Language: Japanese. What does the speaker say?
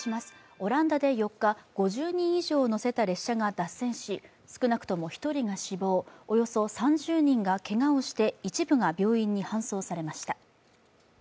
オランダで４日、５０人以上を乗せた列車が脱線し、少なくとも１人が死亡、およそ３０人がけがをして一部が病院に搬送されました。